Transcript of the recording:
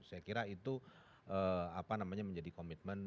saya kira itu apa namanya menjadi komitmen